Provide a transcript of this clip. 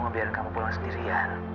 ngebiarin kamu pulang sendirian